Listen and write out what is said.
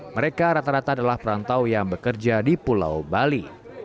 mereka rata rata adalah perantau yang bekerja di pulau bali